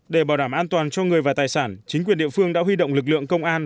để bảo đảm an toàn cho người và tài sản chính quyền địa phương đã huy động lực lượng công an